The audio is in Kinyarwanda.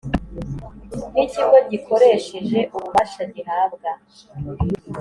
n Ikigo gikoresheje ububasha gihabwa